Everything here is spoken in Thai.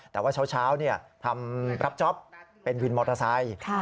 แต่ว่าเช้าทำรับจ๊อปเป็นวินมอเตอร์ไซค์